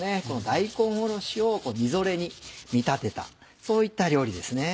大根おろしをみぞれに見立てたそういった料理ですね。